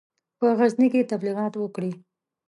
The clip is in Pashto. په غزني کې تبلیغات وکړي.